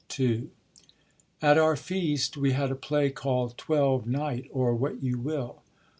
At our feast, wee had a play called Twelve Nighty or What You Will.